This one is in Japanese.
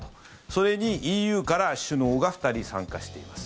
それにＥＵから首脳が２人参加しています。